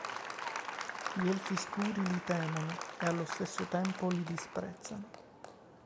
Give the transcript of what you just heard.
Gli elfi scuri li temono e allo stesso tempo li disprezzano.